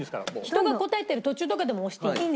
人が答えてる途中とかでも押していい。